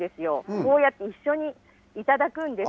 こうやって一緒に頂くんです